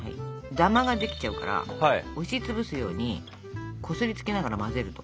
ダマができちゃうから押し潰すようにこすりつけながら混ぜると。